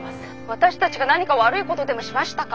私たちが何か悪いことでもしましたか？